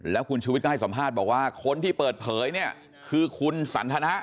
แล้วคุณชุวิตก็ให้สัมภาษณ์บอกว่าคนที่เปิดเผยเนี่ยคือคุณสันทนะ